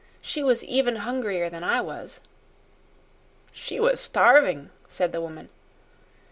"She was even hungrier than I was." "She was starving," said the woman.